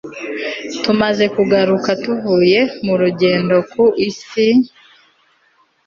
tumaze kugaruka tuvuye mu rugendo ku isi